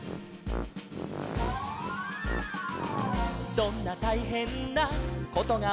「どんなたいへんなことがおきたって」